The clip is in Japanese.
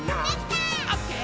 「オッケー！